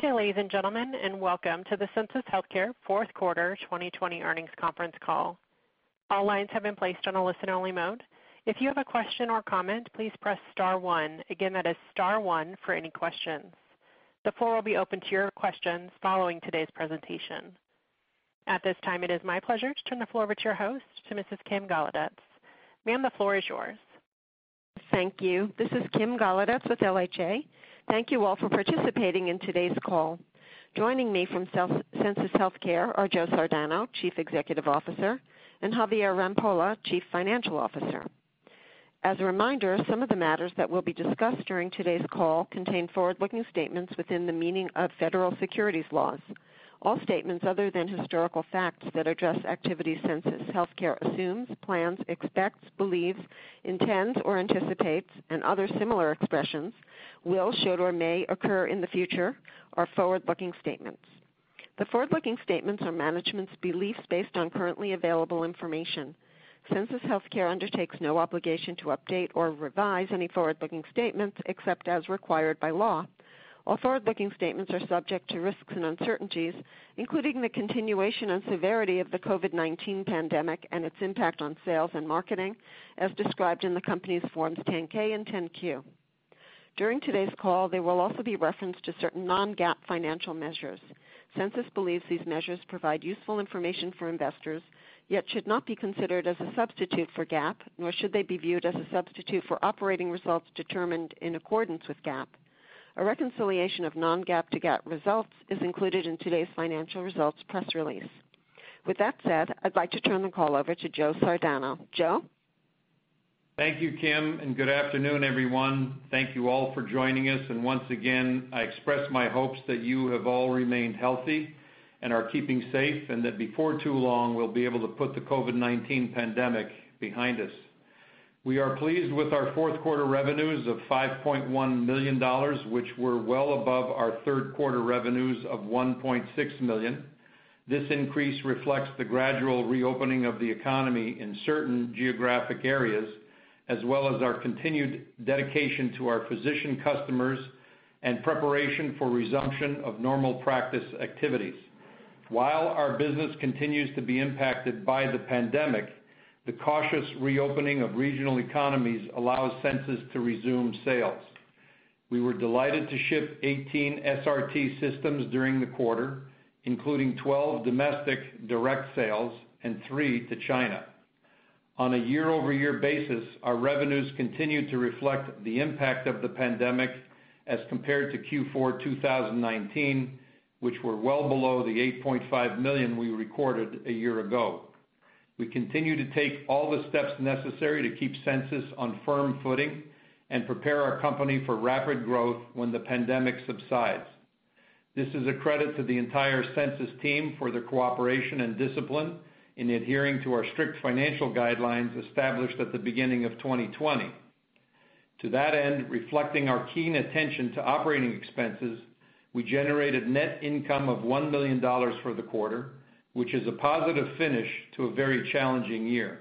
Good day, ladies and gentlemen, and welcome to the Sensus Healthcare fourth quarter 2020 earnings conference call. All lines have been placed on a listen-only mode. If you have a question or comment, please press star one. Again, that is star one for any questions. The floor will be open to your questions following today's presentation. At this time, it is my pleasure to turn the floor over to your host, to Mrs. Kim Golodetz. Ma'am, the floor is yours. Thank you. This is Kim Golodetz with LHA. Thank you all for participating in today's call. Joining me from Sensus Healthcare are Joe Sardano, Chief Executive Officer, and Javier Rampolla, Chief Financial Officer. As a reminder, some of the matters that will be discussed during today's call contain forward-looking statements within the meaning of federal securities laws. All statements other than historical facts that address activities Sensus Healthcare assumes, plans, expects, believes, intends, or anticipates, and other similar expressions will, should, or may occur in the future are forward-looking statements. The forward-looking statements are management's beliefs based on currently available information. Sensus Healthcare undertakes no obligation to update or revise any forward-looking statements except as required by law. All forward-looking statements are subject to risks and uncertainties, including the continuation and severity of the COVID-19 pandemic and its impact on sales and marketing, as described in the company's Forms 10-K and 10-Q. During today's call, there will also be reference to certain non-GAAP financial measures. Sensus believes these measures provide useful information for investors, yet should not be considered as a substitute for GAAP, nor should they be viewed as a substitute for operating results determined in accordance with GAAP. A reconciliation of non-GAAP to GAAP results is included in today's financial results press release. With that said, I'd like to turn the call over to Joe Sardano. Joe? Thank you, Kim. Good afternoon, everyone. Thank you all for joining us. Once again, I express my hopes that you have all remained healthy and are keeping safe, and that before too long, we'll be able to put the COVID-19 pandemic behind us. We are pleased with our fourth quarter revenues of $5.1 million, which were well above our third quarter revenues of $1.6 million. This increase reflects the gradual reopening of the economy in certain geographic areas, as well as our continued dedication to our physician customers and preparation for resumption of normal practice activities. While our business continues to be impacted by the pandemic, the cautious reopening of regional economies allows Sensus to resume sales. We were delighted to ship 18 SRT systems during the quarter, including 12 domestic direct sales and three to China. On a year-over-year basis, our revenues continue to reflect the impact of the pandemic as compared to Q4 2019, which were well below the $8.5 million we recorded a year ago. We continue to take all the steps necessary to keep Sensus on firm footing and prepare our company for rapid growth when the pandemic subsides. This is a credit to the entire Sensus team for their cooperation and discipline in adhering to our strict financial guidelines established at the beginning of 2020. To that end, reflecting our keen attention to operating expenses, we generated net income of $1 million for the quarter, which is a positive finish to a very challenging year.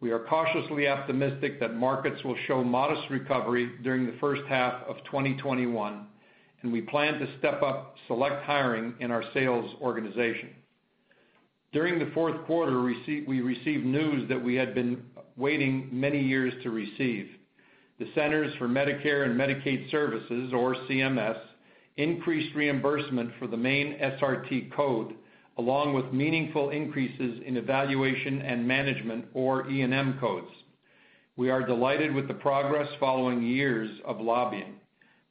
We are cautiously optimistic that markets will show modest recovery during the first half of 2021, and we plan to step up select hiring in our sales organization. During the fourth quarter, we received news that we had been waiting many years to receive. The Centers for Medicare and Medicaid Services, or CMS, increased reimbursement for the main SRT code, along with meaningful increases in evaluation and management, or E&M codes. We are delighted with the progress following years of lobbying.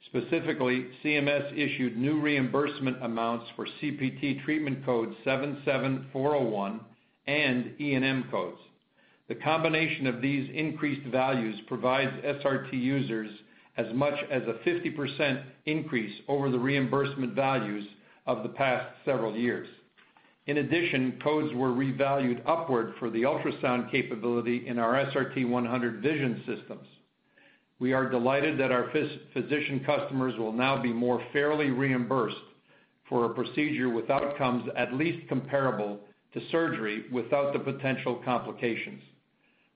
Specifically, CMS issued new reimbursement amounts for CPT treatment code 77401 and E&M codes. The combination of these increased values provides SRT users as much as a 50% increase over the reimbursement values of the past several years. In addition, codes were revalued upward for the ultrasound capability in our SRT-100 Vision systems. We are delighted that our physician customers will now be more fairly reimbursed for a procedure with outcomes at least comparable to surgery without the potential complications.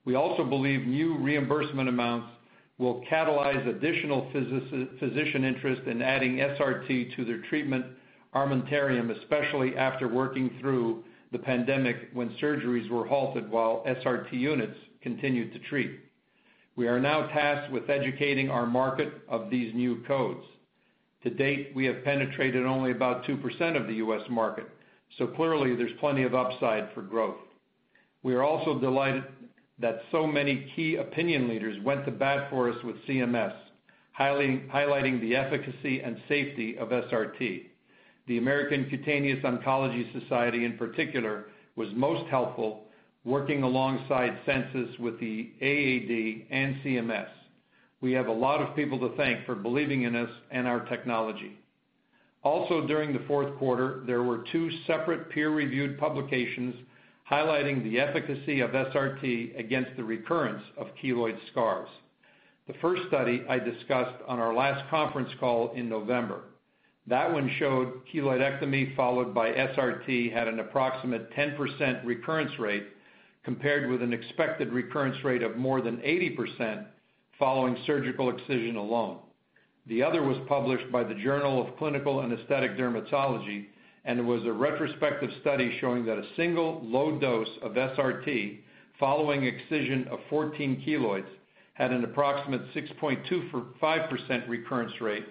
We also believe new reimbursement amounts will catalyze additional physician interest in adding SRT to their treatment armamentarium, especially after working through the pandemic when surgeries were halted while SRT units continued to treat. We are now tasked with educating our market of these new codes. To date, we have penetrated only about 2% of the U.S. market. Clearly there's plenty of upside for growth. We are also delighted that so many key opinion leaders went to bat for us with CMS, highlighting the efficacy and safety of SRT. The American Cutaneous Oncology Society in particular was most helpful, working alongside Sensus with the AAD and CMS. We have a lot of people to thank for believing in us and our technology. Also during the fourth quarter, there were two separate peer-reviewed publications highlighting the efficacy of SRT against the recurrence of keloid scars. The first study I discussed on our last conference call in November. That one showed keloidectomy followed by SRT had an approximate 10% recurrence rate compared with an expected recurrence rate of more than 80% following surgical excision alone. The other was published by The Journal of Clinical and Aesthetic Dermatology, and it was a retrospective study showing that a single low dose of SRT following excision of 14 keloids had an approximate 6.25% recurrence rate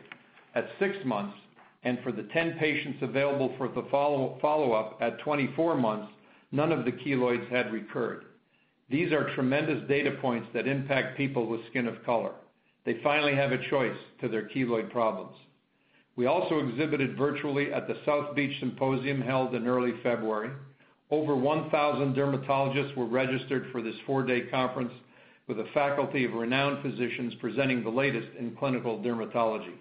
at six months, and for the 10 patients available for the follow-up at 24 months, none of the keloids had recurred. These are tremendous data points that impact people with skin of color. They finally have a choice to their keloid problems. We also exhibited virtually at the South Beach Symposium held in early February. Over 1,000 dermatologists were registered for this four-day conference with a faculty of renowned physicians presenting the latest in clinical dermatology.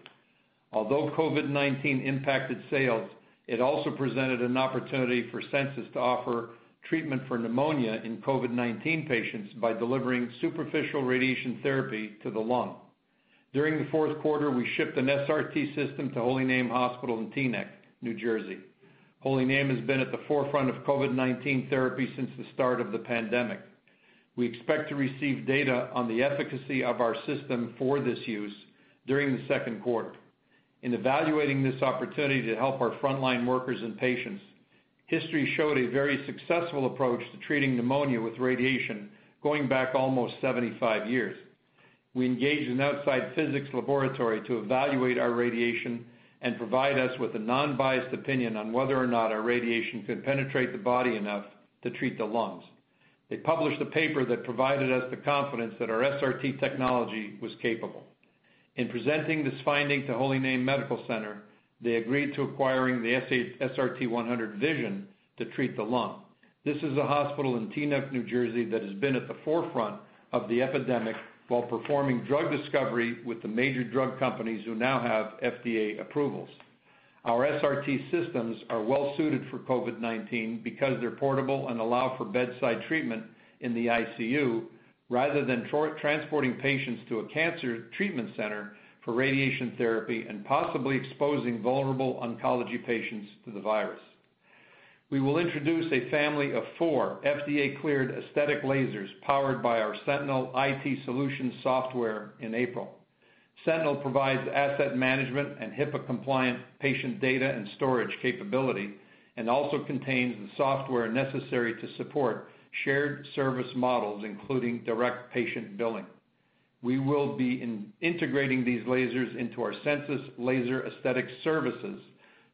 Although COVID-19 impacted sales, it also presented an opportunity for Sensus to offer treatment for pneumonia in COVID-19 patients by delivering superficial radiation therapy to the lung. During the fourth quarter, we shipped an SRT system to Holy Name Hospital in Teaneck, New Jersey. Holy Name has been at the forefront of COVID-19 therapy since the start of the pandemic. We expect to receive data on the efficacy of our system for this use during the second quarter. In evaluating this opportunity to help our frontline workers and patients, history showed a very successful approach to treating pneumonia with radiation going back almost 75 years. We engaged an outside physics laboratory to evaluate our radiation and provide us with a non-biased opinion on whether or not our radiation could penetrate the body enough to treat the lungs. They published a paper that provided us the confidence that our SRT technology was capable. In presenting this finding to Holy Name Medical Center, they agreed to acquiring the SRT-100 Vision to treat the lung. This is a hospital in Teaneck, New Jersey, that has been at the forefront of the epidemic while performing drug discovery with the major drug companies who now have FDA approvals. Our SRT systems are well suited for COVID-19 because they're portable and allow for bedside treatment in the ICU, rather than transporting patients to a cancer treatment center for radiation therapy and possibly exposing vulnerable oncology patients to the virus. We will introduce a family of four FDA-cleared aesthetic lasers powered by our Sentinel IT Solutions software in April. Sentinel provides asset management and HIPAA-compliant patient data and storage capability, and also contains the software necessary to support shared service models, including direct patient billing. We will be integrating these lasers into our Sensus Laser Aesthetic Solutions.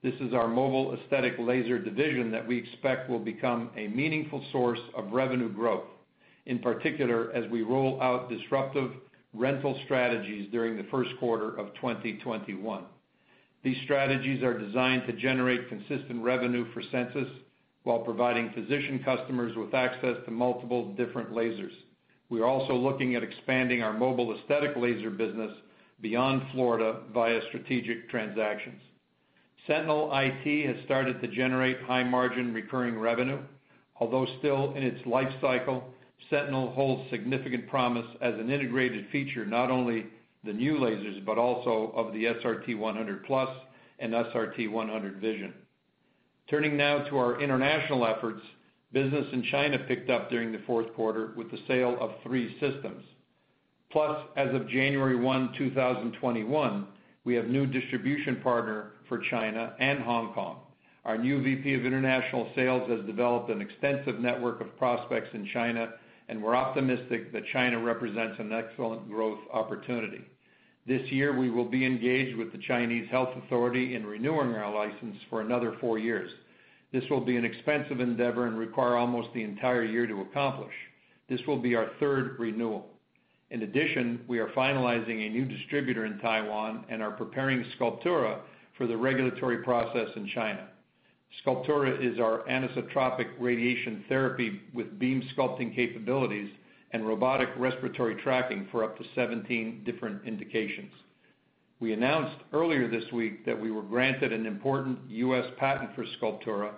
This is our mobile aesthetic laser division that we expect will become a meaningful source of revenue growth, in particular, as we roll out disruptive rental strategies during the first quarter of 2021. These strategies are designed to generate consistent revenue for Sensus while providing physician customers with access to multiple different lasers. We are also looking at expanding our mobile aesthetic laser business beyond Florida via strategic transactions. Sentinel IT has started to generate high margin recurring revenue. Although still in its life cycle, Sentinel holds significant promise as an integrated feature, not only the new lasers, but also of the SRT-100 Plus and SRT-100 Vision. Turning now to our international efforts, business in China picked up during the fourth quarter with the sale of three systems. Plus, as of 1 January 2021, we have new distribution partner for China and Hong Kong. Our new VP of International Sales has developed an extensive network of prospects in China, and we're optimistic that China represents an excellent growth opportunity. This year, we will be engaged with the Chinese Health Authority in renewing our license for another four years. This will be an expensive endeavor and require almost the entire year to accomplish. This will be our third renewal. In addition, we are finalizing a new distributor in Taiwan and are preparing Sculptura for the regulatory process in China. Sculptura is our anisotropic radiation therapy with beam sculpting capabilities and robotic respiratory tracking for up to 17 different indications. We announced earlier this week that we were granted an important U.S. patent for Sculptura,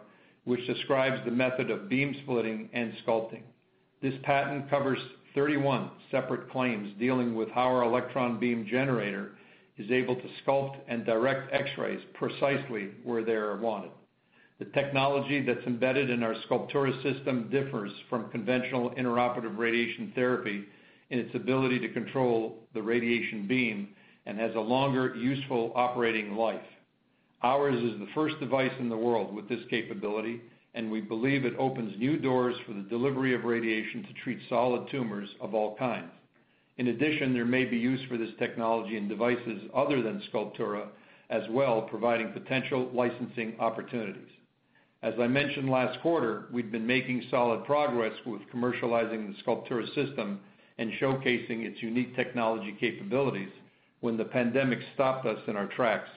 which describes the method of beam splitting and sculpting. This patent covers 31 separate claims dealing with how our electron beam generator is able to sculpt and direct X-rays precisely where they are wanted. The technology that's embedded in our Sculptura system differs from conventional intraoperative radiation therapy in its ability to control the radiation beam and has a longer useful operating life. Ours is the first device in the world with this capability, and we believe it opens new doors for the delivery of radiation to treat solid tumors of all kinds. In addition, there may be use for this technology in devices other than Sculptura as well, providing potential licensing opportunities. As I mentioned last quarter, we'd been making solid progress with commercializing the Sculptura system and showcasing its unique technology capabilities when the pandemic stopped us in our tracks.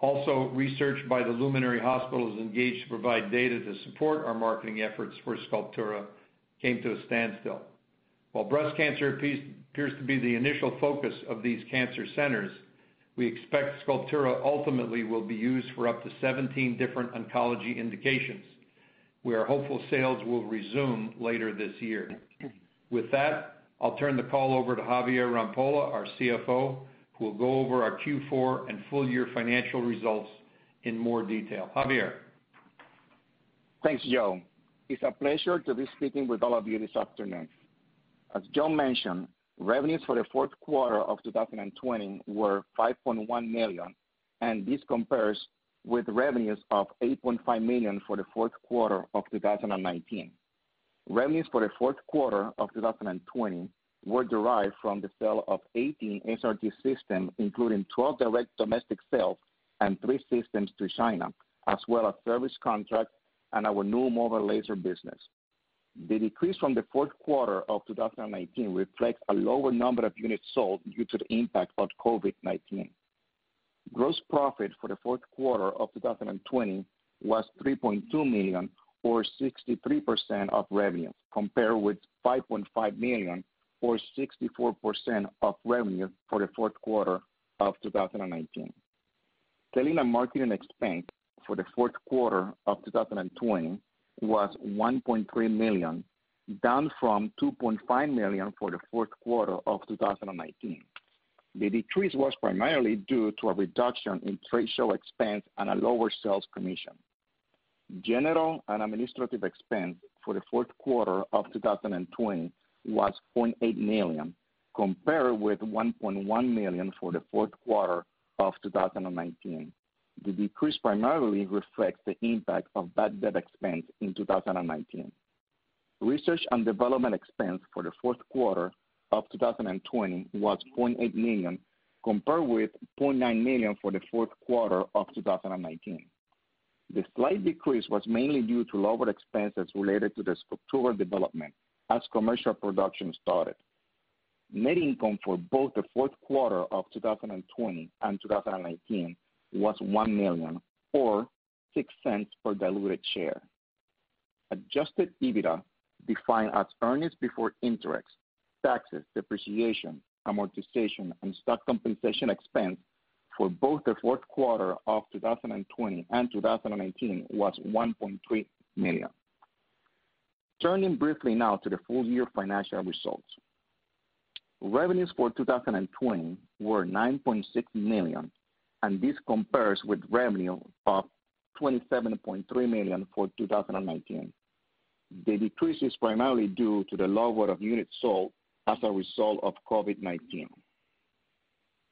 Also, research by the luminary hospitals engaged to provide data to support our marketing efforts for Sculptura came to a standstill. While breast cancer appears to be the initial focus of these cancer centers, we expect Sculptura ultimately will be used for up to 17 different oncology indications. We are hopeful sales will resume later this year. With that, I'll turn the call over to Javier Rampolla, our CFO, who will go over our Q4 and full year financial results in more detail. Javier? Thanks, Joe. It's a pleasure to be speaking with all of you this afternoon. As Joe mentioned, revenues for the fourth quarter of 2020 were $5.1 million, this compares with revenues of $8.5 million for the fourth quarter of 2019. Revenues for the fourth quarter of 2020 were derived from the sale of 18 SRT systems, including 12 direct domestic sales and three systems to China, as well as service contracts and our new mobile laser business. The decrease from the fourth quarter of 2019 reflects a lower number of units sold due to the impact of COVID-19. Gross profit for the fourth quarter of 2020 was $3.2 million, or 63% of revenue, compared with $5.5 million or 64% of revenue for the fourth quarter of 2019. Selling and marketing expense for the fourth quarter of 2020 was $1.3 million, down from $2.5 million for the fourth quarter of 2019. The decrease was primarily due to a reduction in trade show expense and a lower sales commission. General and administrative expense for the fourth quarter of 2020 was $0.8 million, compared with $1.1 million for the fourth quarter of 2019. The decrease primarily reflects the impact of bad debt expense in 2019. Research and development expense for the fourth quarter of 2020 was $0.8 million, compared with $0.9 million for the fourth quarter of 2019. The slight decrease was mainly due to lower expenses related to the Sculptura development as commercial production started. Net income for both the fourth quarter of 2020 and 2019 was $1 million, or $0.06 per diluted share. Adjusted EBITDA, defined as earnings before interest, taxes, depreciation, amortization, and stock compensation expense for both the fourth quarter of 2020 and 2019 was $1.3 million. Turning briefly now to the full-year financial results. Revenues for 2020 were $9.6 million. This compares with revenue of $27.3 million for 2019. The decrease is primarily due to the lower unit sold as a result of COVID-19.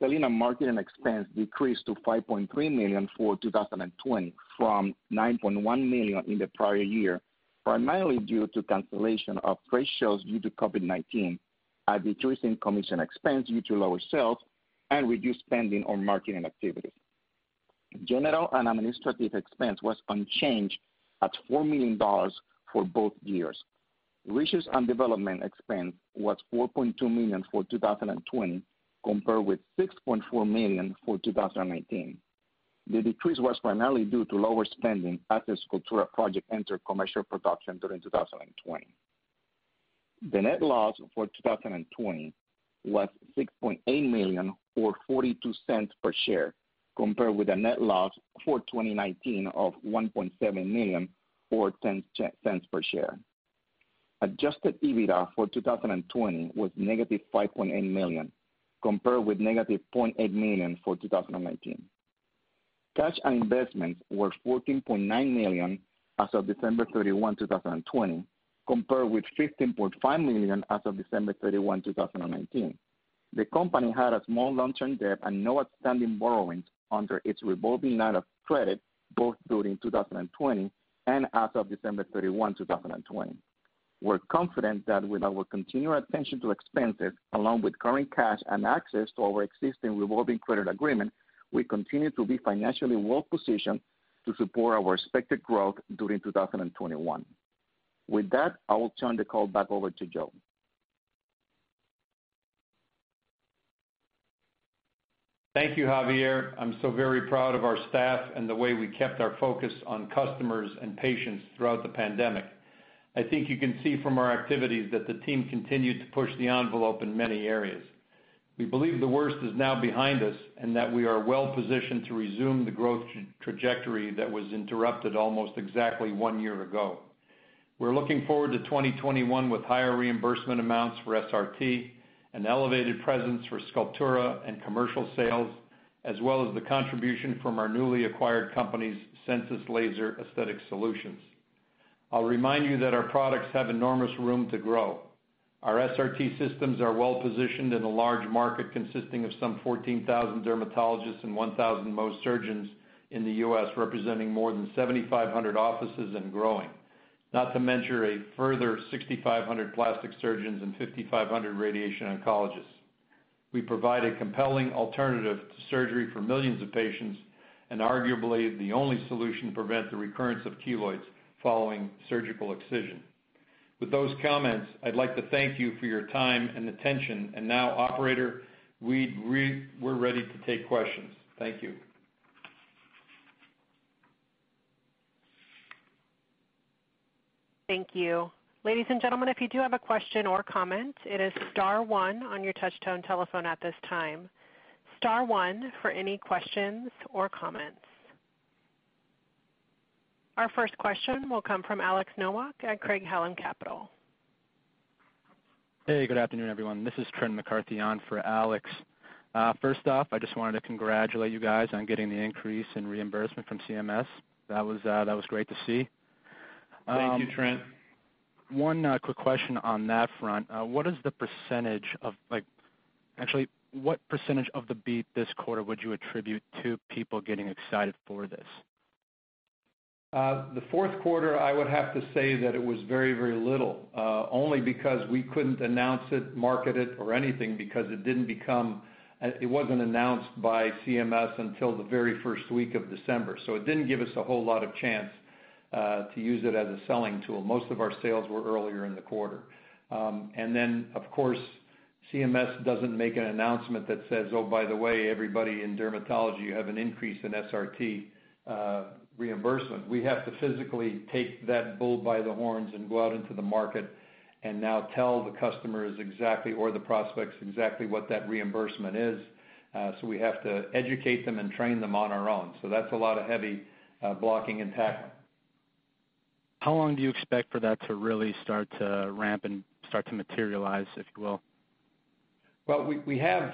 Selling and marketing expense decreased to $5.3 million for 2020 from $9.1 million in the prior year, primarily due to cancellation of trade shows due to COVID-19, a decrease in commission expense due to lower sales, and reduced spending on marketing activities. General and administrative expense was unchanged at $4 million for both years. Research and development expense was $4.2 million for 2020, compared with $6.4 million for 2019. The decrease was primarily due to lower spending as the Sculptura project entered commercial production during 2020. The net loss for 2020 was $6.8 million, or $0.42 per share, compared with a net loss for 2019 of $1.7 million, or $0.10 per share. Adjusted EBITDA for 2020 was -$5.8 million, compared with -$0.8 million for 2019. Cash and investments were $14.9 million as of December 31, 2020, compared with $15.5 million as of 31 December 2019. The company had a small long-term debt and no outstanding borrowings under its revolving line of credit, both during 2020 and as of 31 December 2020. We're confident that with our continued attention to expenses, along with current cash and access to our existing revolving credit agreement, we continue to be financially well-positioned to support our expected growth during 2021. With that, I will turn the call back over to Joe. Thank you, Javier. I'm so very proud of our staff and the way we kept our focus on customers and patients throughout the pandemic. I think you can see from our activities that the team continued to push the envelope in many areas. We believe the worst is now behind us and that we are well-positioned to resume the growth trajectory that was interrupted almost exactly one year ago. We're looking forward to 2021 with higher reimbursement amounts for SRT, an elevated presence for Sculptura, and commercial sales, as well as the contribution from our newly acquired company's Sensus Laser Aesthetic Solutions. I'll remind you that our products have enormous room to grow. Our SRT systems are well-positioned in a large market consisting of some 14,000 dermatologists and 1,000 Mohs surgeons in the U.S., representing more than 7,500 offices and growing. Not to mention a further 6,500 plastic surgeons and 5,500 radiation oncologists. We provide a compelling alternative to surgery for millions of patients and arguably the only solution to prevent the recurrence of keloids following surgical excision. With those comments, I'd like to thank you for your time and attention. Now, operator, we're ready to take questions. Thank you. Thank you. Ladies and gentlemen, if you do have a question or comment, it is star one on your touch-tone telephone at this time. Star one for any questions or comments. Our first question will come from Alex Nowak at Craig-Hallum Capital. Hey, good afternoon, everyone. This is Trent McCarthy on for Alex. First off, I just wanted to congratulate you guys on getting the increase in reimbursement from CMS. That was great to see. Thank you, Trent. One quick question on that front, what is the percentage of the beat this quarter would you attribute to people getting excited for this? The fourth quarter, I would have to say that it was very, very little, only because we couldn't announce it, market it, or anything, because it wasn't announced by CMS until the very first week of December. It didn't give us a whole lot of chance to use it as a selling tool. Most of our sales were earlier in the quarter. Of course, CMS doesn't make an announcement that says, "Oh, by the way, everybody in dermatology, you have an increase in SRT reimbursement." We have to physically take that bull by the horns and go out into the market and now tell the customers exactly, or the prospects exactly what that reimbursement is. We have to educate them and train them on our own. That's a lot of heavy blocking and tackling. How long do you expect for that to really start to ramp and start to materialize, if you will? Well, we have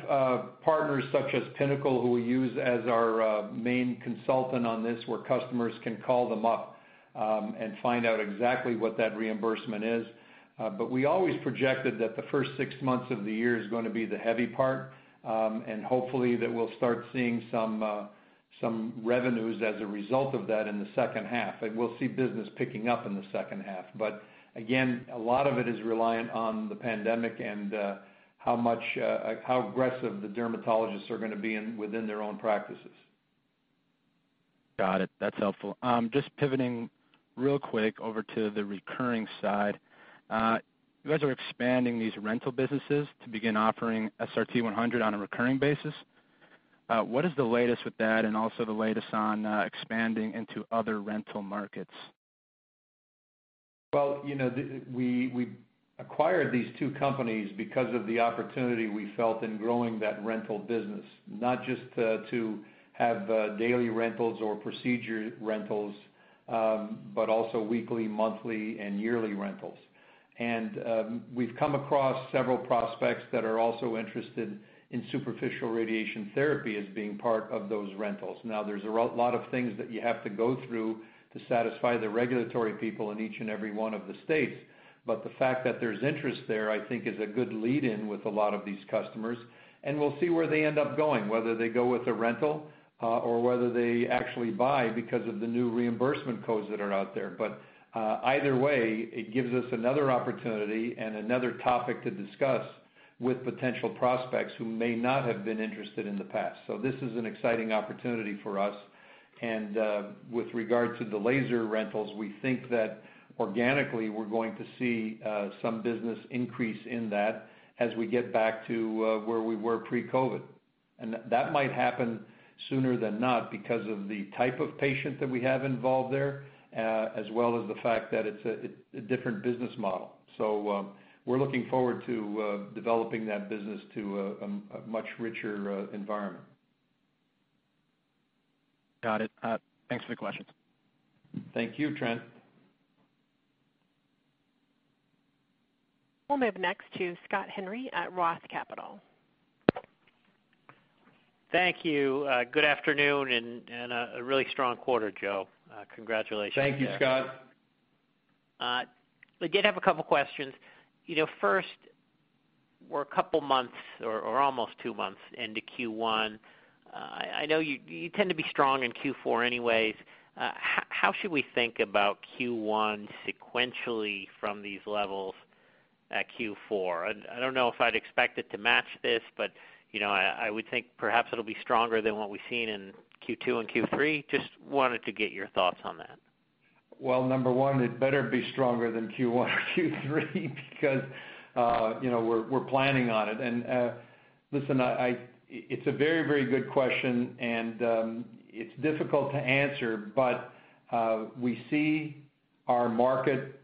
partners such as Pinnacle, who we use as our main consultant on this, where customers can call them up and find out exactly what that reimbursement is. We always projected that the first six months of the year is going to be the heavy part. Hopefully that we'll start seeing some revenues as a result of that in the second half. Like, we'll see business picking up in the second half. Again, a lot of it is reliant on the pandemic and how aggressive the dermatologists are going to be within their own practices. Got it. That's helpful. Just pivoting real quick over to the recurring side. You guys are expanding these rental businesses to begin offering SRT-100 on a recurring basis. What is the latest with that and also the latest on expanding into other rental markets? Well, we acquired these two companies because of the opportunity we felt in growing that rental business, not just to have daily rentals or procedure rentals, but also weekly, monthly, and yearly rentals. We've come across several prospects that are also interested in superficial radiation therapy as being part of those rentals. Now, there's a lot of things that you have to go through to satisfy the regulatory people in each and every one of the states. The fact that there's interest there, I think is a good lead in with a lot of these customers, and we'll see where they end up going, whether they go with a rental or whether they actually buy because of the new reimbursement codes that are out there. Either way, it gives us another opportunity and another topic to discuss with potential prospects who may not have been interested in the past. This is an exciting opportunity for us. With regard to the laser rentals, we think that organically, we're going to see some business increase in that as we get back to where we were pre-COVID. That might happen sooner than not because of the type of patient that we have involved there, as well as the fact that it's a different business model. We're looking forward to developing that business to a much richer environment. Got it. Thanks for the questions. Thank you, Trent. We'll move next to Scott Henry at Roth Capital. Thank you. Good afternoon, and a really strong quarter, Joe. Congratulations there. Thank you, Scott. I did have a couple questions. First, we're a couple months or almost two months into Q1. I know you tend to be strong in Q4 anyways. How should we think about Q1 sequentially from these levels at Q4? I don't know if I'd expect it to match this, but I would think perhaps it'll be stronger than what we've seen in Q2 and Q3. Just wanted to get your thoughts on that. Well, number one, it better be stronger than Q1 or Q3 because we're planning on it. Listen, it's a very, very good question, and it's difficult to answer, but we see our market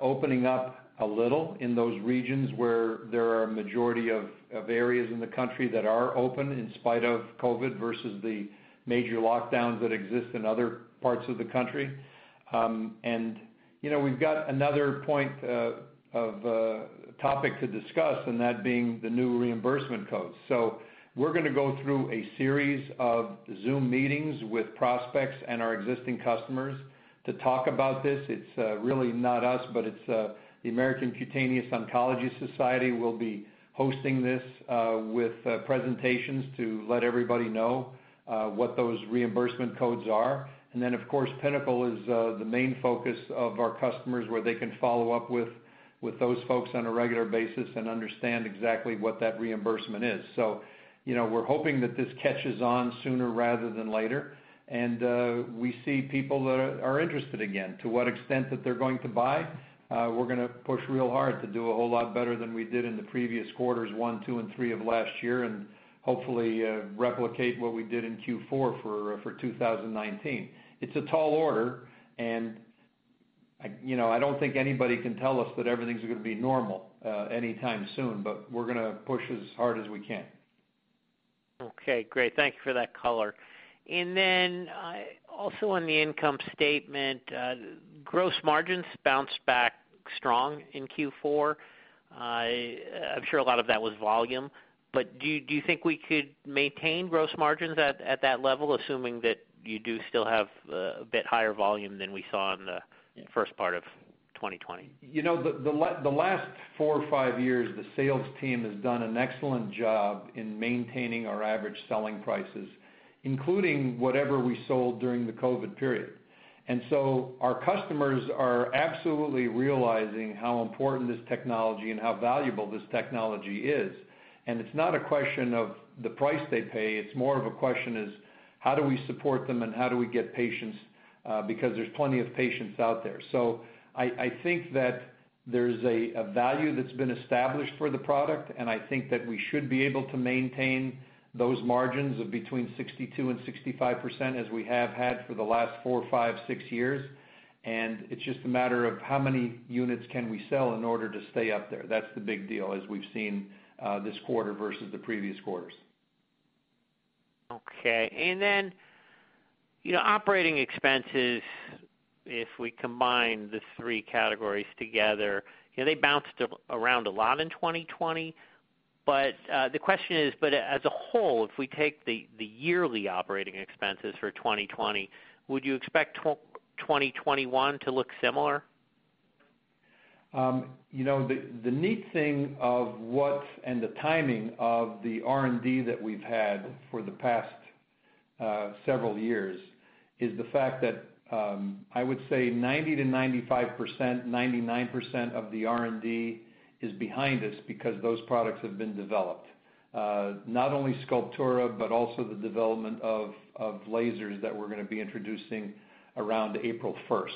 opening up a little in those regions where there are a majority of areas in the country that are open in spite of COVID versus the major lockdowns that exist in other parts of the country. We've got another topic to discuss, and that being the new reimbursement codes. We're going to go through a series of Zoom meetings with prospects and our existing customers to talk about this. It's really not us, but it's the American Cutaneous Oncology Society will be hosting this, with presentations to let everybody know what those reimbursement codes are. Pinnacle is the main focus of our customers, where they can follow up with those folks on a regular basis and understand exactly what that reimbursement is. We're hoping that this catches on sooner rather than later. We see people that are interested again. To what extent that they're going to buy, we're going to push real hard to do a whole lot better than we did in the previous quarters one, two, and three of last year, and hopefully replicate what we did in Q4 for 2019. It's a tall order, and I don't think anybody can tell us that everything's going to be normal anytime soon, but we're going to push as hard as we can. Okay, great. Thanks for that color. Also on the income statement, gross margins bounced back strong in Q4. I'm sure a lot of that was volume, do you think we could maintain gross margins at that level, assuming that you do still have a bit higher volume than we saw in the first part of 2020? The last four or five years, the sales team has done an excellent job in maintaining our average selling prices, including whatever we sold during the COVID period. Our customers are absolutely realizing how important this technology and how valuable this technology is. It's not a question of the price they pay, it's more of a question is how do we support them and how do we get patients, because there's plenty of patients out there. I think that there's a value that's been established for the product, and I think that we should be able to maintain those margins of between 62% and 65% as we have had for the last four, five, six years. It's just a matter of how many units can we sell in order to stay up there. That's the big deal as we've seen this quarter versus the previous quarters. Okay. Then operating expenses, if we combine the three categories together, they bounced around a lot in 2020. The question is, as a whole, if we take the yearly operating expenses for 2020, would you expect 2021 to look similar? The neat thing and the timing of the R&D that we've had for the past several years is the fact that I would say 90%-95%, 99% of the R&D is behind us because those products have been developed. Not only Sculptura, but also the development of lasers that we're going to be introducing around April 1st.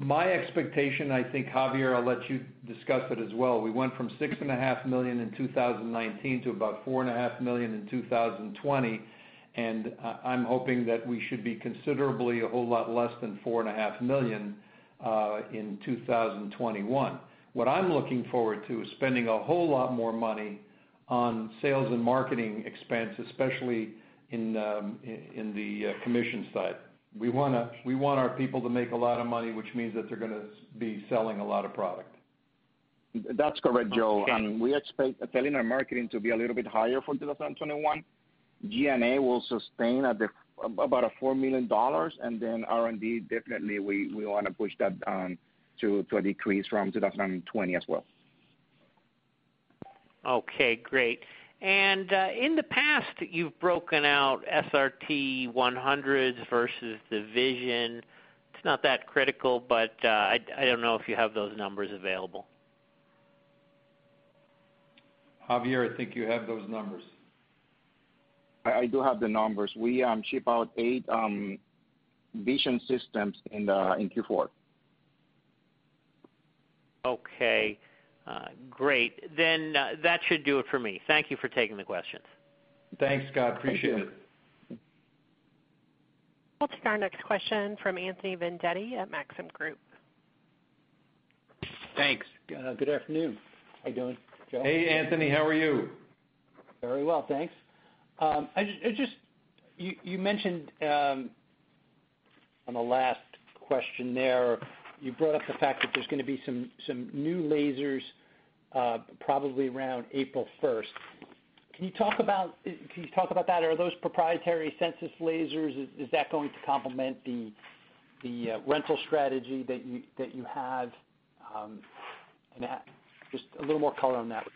My expectation, I think, Javier, I'll let you discuss it as well. We went from $6.5 million in 2019 to about $4.5 million in 2020, and I'm hoping that we should be considerably a whole lot less than $4.5 million in 2021. What I'm looking forward to is spending a whole lot more money on sales and marketing expense, especially in the commission side. We want our people to make a lot of money, which means that they're going to be selling a lot of product. That's correct, Joe. Okay. We expect selling and marketing to be a little bit higher for 2021. G&A will sustain at about $4 million. R&D, definitely, we want to push that to a decrease from 2020 as well. Okay, great. In the past, you've broken out SRT-100 versus the Vision. It's not that critical, but I don't know if you have those numbers available. Javier, I think you have those numbers. I do have the numbers. We ship out eight Vision systems in Q4. Okay. Great. That should do it for me. Thank you for taking the questions. Thanks, Scott. Appreciate it. We'll take our next question from Anthony Vendetti at Maxim Group. Thanks. Good afternoon. How you doing, Joe? Hey, Anthony. How are you? Very well, thanks. You mentioned on the last question there, you brought up the fact that there's going to be some new lasers probably around April 1st. Can you talk about that? Are those proprietary Sensus lasers? Is that going to complement the rental strategy that you have? Just a little more color on that.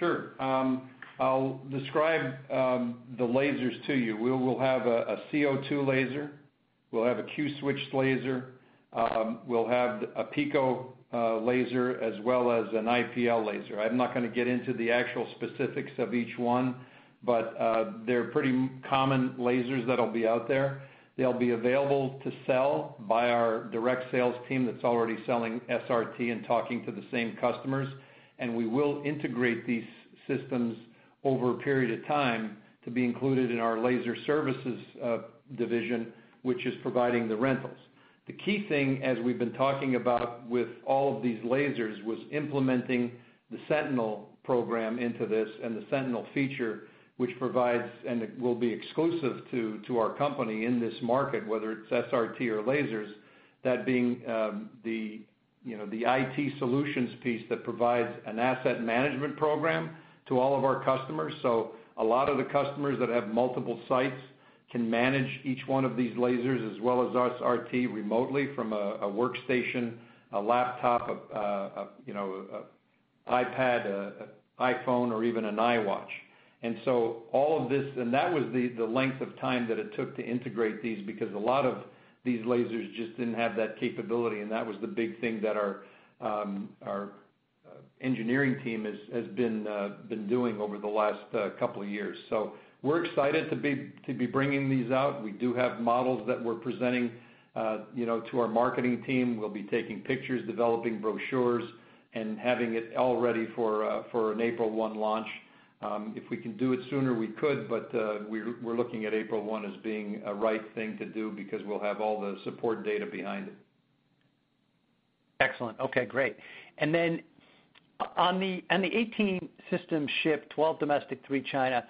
Sure. I'll describe the lasers to you. We will have a CO2 laser. We'll have a Q-switched laser. We'll have a PICO laser, as well as an IPL laser. I'm not going to get into the actual specifics of each one, but they're pretty common lasers that'll be out there. They'll be available to sell by our direct sales team that's already selling SRT and talking to the same customers, and we will integrate these systems over a period of time to be included in our laser services division, which is providing the rentals. The key thing, as we've been talking about with all of these lasers, was implementing the Sentinel program into this and the Sentinel feature, which provides, and it will be exclusive to our company in this market, whether it's SRT or lasers, that being the IT solutions piece that provides an asset management program to all of our customers. A lot of the customers that have multiple sites can manage each one of these lasers as well as SRT remotely from a workstation, a laptop, an iPad, an iPhone, or even an iWatch. That was the length of time that it took to integrate these, because a lot of these lasers just didn't have that capability, and that was the big thing that our engineering team has been doing over the last couple of years. We're excited to be bringing these out. We do have models that we're presenting to our marketing team. We'll be taking pictures, developing brochures, and having it all ready for an April 1 launch. If we can do it sooner, we could. We're looking at April 1 as being a right thing to do because we'll have all the support data behind it. Excellent. Okay, great. On the 18 systems shipped, 12 domestic, three China,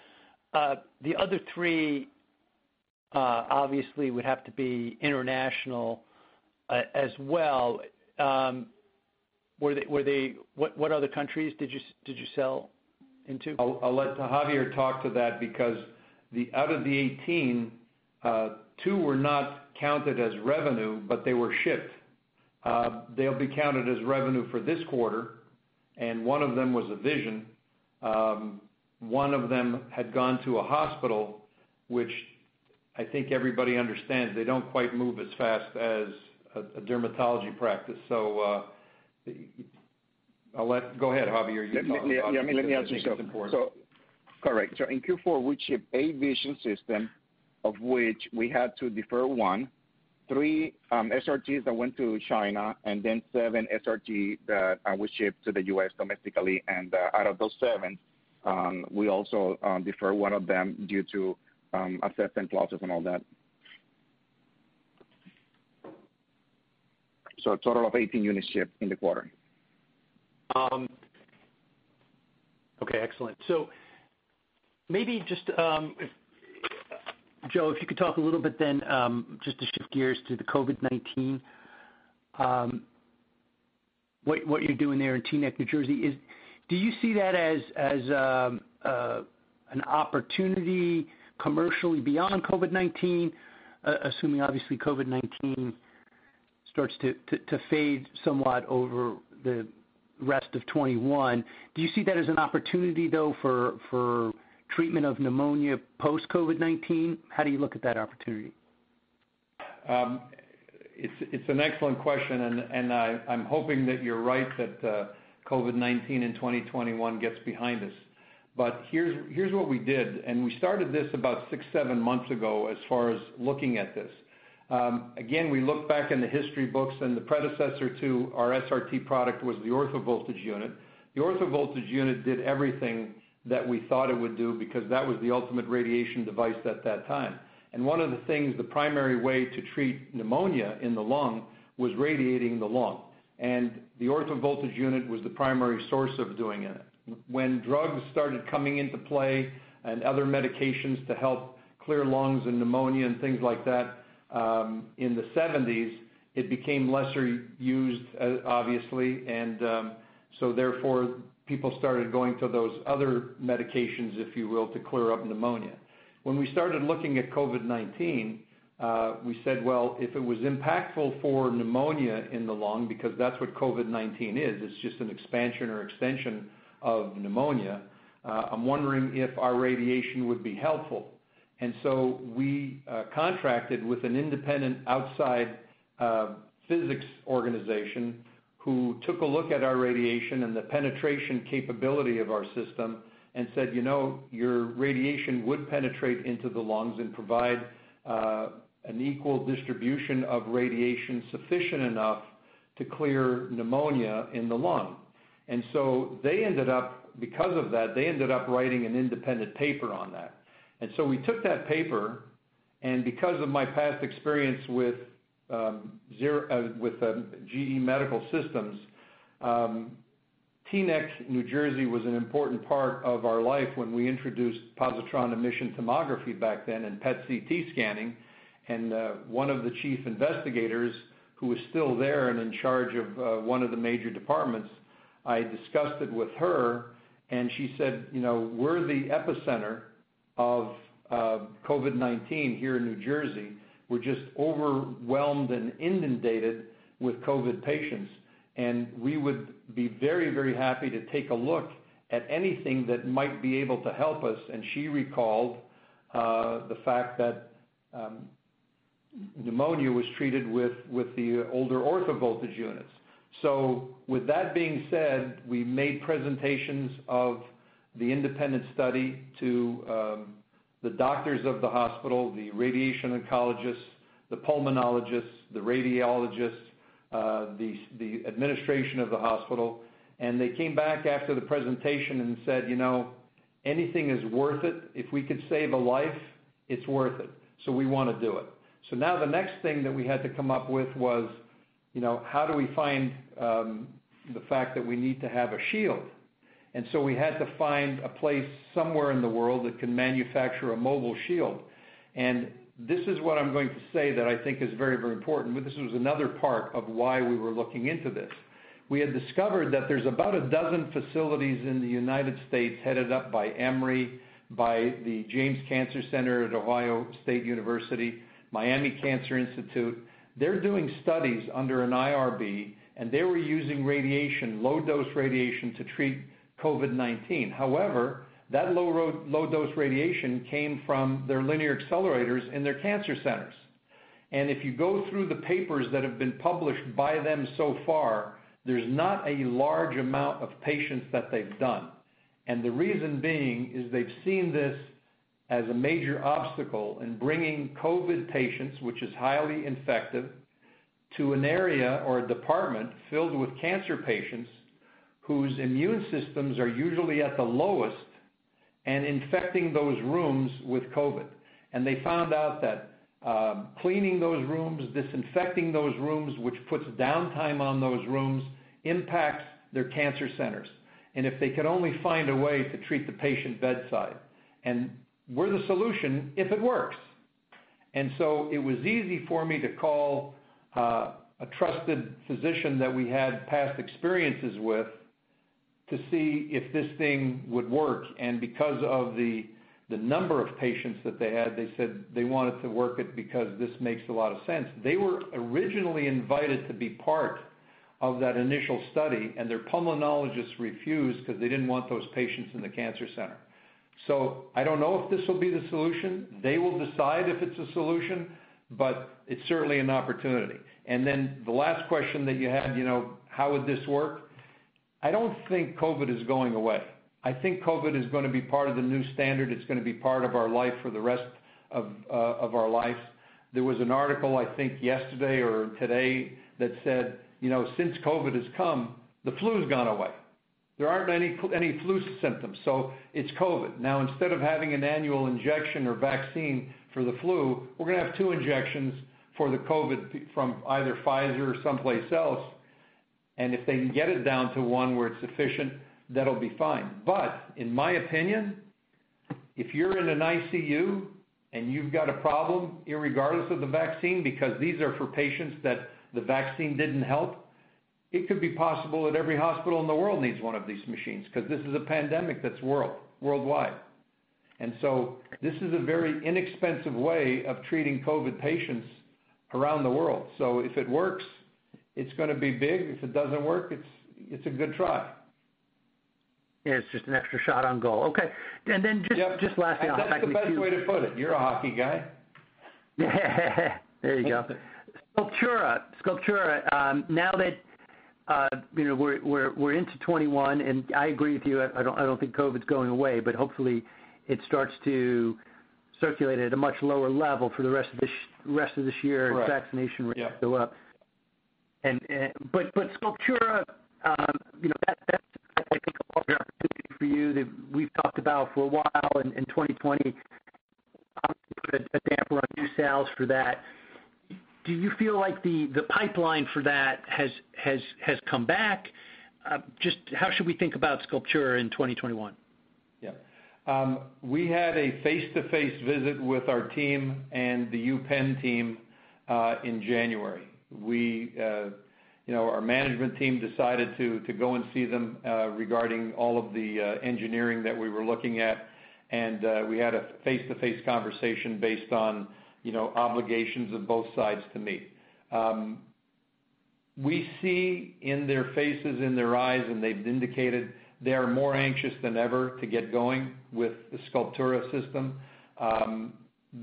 the other three obviously would have to be international as well. What other countries did you sell into? I'll let Javier talk to that because out of the 18, two were not counted as revenue, but they were shipped. They'll be counted as revenue for this quarter, and one of them was a Vision. One of them had gone to a hospital, which I think everybody understands, they don't quite move as fast as a dermatology practice. Go ahead, Javier, you talk. Let me answer, Nick. Correct. In Q4, we shipped eight vision systems, of which we had to defer one, three SRTs that went to China, seven SRT that was shipped to the U.S. domestically. Out of those seven, we also deferred one of them due to assessment clauses and all that. A total of 18 units shipped in the quarter. Okay, excellent. Maybe just, if Joe, if you could talk a little bit then, just to shift gears to the COVID-19, what you're doing there in Teaneck, New Jersey. Do you see that as an opportunity commercially beyond COVID-19, assuming obviously COVID-19 starts to fade somewhat over the rest of 2021? Do you see that as an opportunity, though, for treatment of pneumonia post-COVID-19? How do you look at that opportunity? It's an excellent question. I'm hoping that you're right, that COVID-19 in 2021 gets behind us. Here's what we did, and we started this about six, seven months ago as far as looking at this. Again, we look back in the history books and the predecessor to our SRT product was the orthovoltage unit. The orthovoltage unit did everything that we thought it would do because that was the ultimate radiation device at that time. One of the things, the primary way to treat pneumonia in the lung, was radiating the lung. The orthovoltage unit was the primary source of doing it. When drugs started coming into play and other medications to help clear lungs and pneumonia and things like that in the 1970s, it became lesser used, obviously. Therefore, people started going to those other medications, if you will, to clear up pneumonia. When we started looking at COVID-19, we said, "Well, if it was impactful for pneumonia in the lung," because that's what COVID-19 is, it's just an expansion or extension of pneumonia, "I'm wondering if our radiation would be helpful." We contracted with an independent outside physics organization who took a look at our radiation and the penetration capability of our system and said, "Your radiation would penetrate into the lungs and provide an equal distribution of radiation sufficient enough to clear pneumonia in the lung." They ended up, because of that, they ended up writing an independent paper on that. We took that paper, and because of my past experience with GE Medical Systems, Teaneck, New Jersey was an important part of our life when we introduced positron emission tomography back then and PET/CT scanning. One of the chief investigators, who was still there and in charge of one of the major departments, I discussed it with her, and she said, "We're the epicenter of COVID-19 here in New Jersey. We're just overwhelmed and inundated with COVID patients, and we would be very, very happy to take a look at anything that might be able to help us." She recalled the fact that pneumonia was treated with the older orthovoltage units. With that being said, we made presentations of the independent study to the doctors of the hospital, the radiation oncologists, the pulmonologists, the radiologists, the administration of the hospital. They came back after the presentation and said, "Anything is worth it. If we could save a life, it's worth it. We want to do it. The next thing that we had to come up with was, how do we find the fact that we need to have a shield? We had to find a place somewhere in the world that can manufacture a mobile shield. This is what I'm going to say that I think is very, very important. This was another part of why we were looking into this. We had discovered that there's about a dozen facilities in the U.S. headed up by Emory, by the James Cancer Center at The Ohio State University, Miami Cancer Institute. They're doing studies under an IRB, and they were using radiation, low-dose radiation, to treat COVID-19. However, that low-dose radiation came from their linear accelerators in their cancer centers. If you go through the papers that have been published by them so far, there's not a large amount of patients that they've done. The reason being is they've seen this as a major obstacle in bringing COVID patients, which is highly infective, to an area or a department filled with cancer patients, whose immune systems are usually at the lowest. Infecting those rooms with COVID. They found out that cleaning those rooms, disinfecting those rooms, which puts downtime on those rooms, impacts their cancer centers, and if they could only find a way to treat the patient bedside. We're the solution if it works. It was easy for me to call a trusted physician that we had past experiences with to see if this thing would work. Because of the number of patients that they had, they said they wanted to work it because this makes a lot of sense. They were originally invited to be part of that initial study, and their pulmonologist refused because they didn't want those patients in the cancer center. I don't know if this will be the solution. They will decide if it's a solution, but it's certainly an opportunity. The last question that you had, how would this work? I don't think COVID is going away. I think COVID is going to be part of the new standard. It's going to be part of our life for the rest of our lives. There was an article, I think yesterday or today, that said, since COVID has come, the flu's gone away. There aren't any flu symptoms. It's COVID. Instead of having an annual injection or vaccine for the flu, we're going to have two injections for the COVID from either Pfizer or someplace else, and if they can get it down to one where it's sufficient, that'll be fine. In my opinion, if you're in an ICU and you've got a problem irregardless of the vaccine, because these are for patients that the vaccine didn't help, it could be possible that every hospital in the world needs one of these machines because this is a pandemic that's worldwide. This is a very inexpensive way of treating COVID patients around the world. If it works, it's going to be big. If it doesn't work, it's a good try. Yeah, it's just an extra shot on goal. Okay. Yep Just last thing, I'll tack it to Q-. That's the best way to put it. You're a hockey guy. There you go. That's it. Sculptura, now that we're into 2021, and I agree with you, I don't think COVID's going away, but hopefully it starts to circulate at a much lower level for the rest of this year. Correct ..as vaccination rates go up. Yeah. Sculptura, that's, I think, a large opportunity for you that we've talked about for a while in 2020. Obviously put a damper on new sales for that. Do you feel like the pipeline for that has come back? Just how should we think about Sculptura in 2021? Yeah. We had a face-to-face visit with our team and the UPenn team, in January. Our management team decided to go and see them regarding all of the engineering that we were looking at, and we had a face-to-face conversation based on obligations of both sides to meet. We see in their faces, in their eyes, and they've indicated they are more anxious than ever to get going with the Sculptura system.